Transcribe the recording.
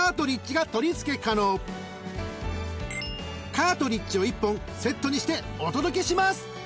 ［カートリッジを１本セットにしてお届けします］